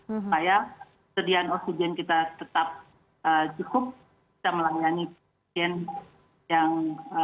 supaya sediaan oksigen kita tetap cukup bisa melayani pasien yang